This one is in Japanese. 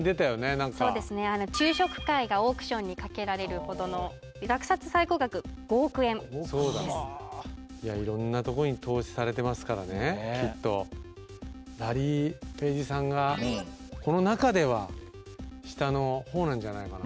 何かそうですね昼食会がオークションにかけられるほどの落札最高額５億円そうだいや色んなとこに投資されてますからねきっとラリー・ペイジさんがこの中では下の方なんじゃないかな？